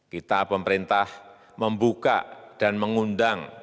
kita pemerintah membuka dan mengundang